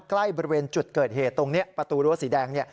ใกล้บริเวณจุดเกิดเหตุตรงประตูรั้วสีแดง